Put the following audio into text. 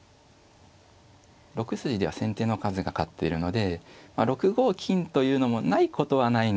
６筋では先手の数が勝っているので６五金というのもないことはないんですけど。